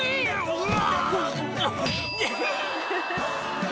「うわ！」